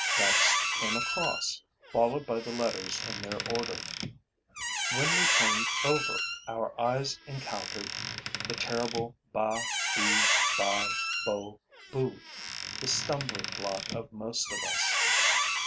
Next came a cross, followed by the letters in their order. When we turned over, our eyes encountered the terrible ba, be, bi, bo, bu, the stumbling block of most of us.